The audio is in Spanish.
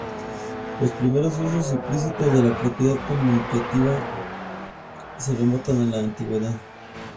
Los primeros usos implícitos de la propiedad conmutativa se remontan a la antigüedad.